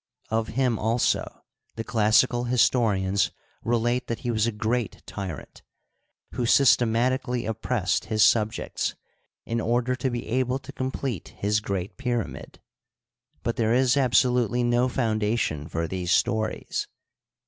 Of him also the classical historians relate that he was a g^eat tyrant, who systematically oppressed his subjects in order to be able to complete his great pyra mid; but there is absolutely no foundation for these stories.